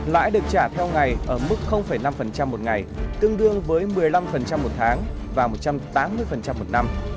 lãi được trả theo ngày ở mức năm một ngày tương đương với một mươi năm một tháng và một trăm tám mươi một năm